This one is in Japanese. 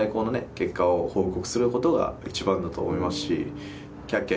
結果を報告することが一番だと思いますしキャッキャ